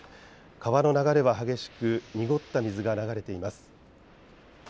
川の流れは激しく濁った水が流れています。